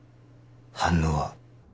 反応は？